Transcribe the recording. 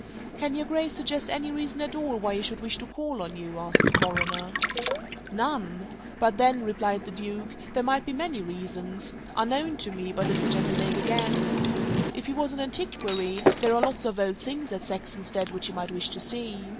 "Can your Grace suggest any reason at all why he should wish to call on you?" asked the Coroner. "None! But then," replied the Duke, "there might be many reasons unknown to me, but at which I can make a guess. If he was an antiquary, there are lots of old things at Saxonsteade which he might wish to see.